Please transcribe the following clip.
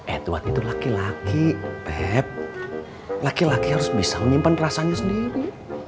edward itu laki laki pep laki laki harus bisa menyimpan rasanya sendiri